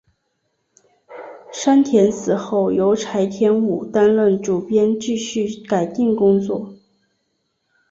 山田死后由柴田武担任主编继续改订工作。